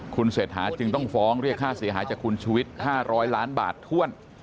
คุณเศรษฐาจึงต้องฟ้องเรียกค่าเสียหายจากคุณชุวิต๕๐๐ล้านบาทถ้วน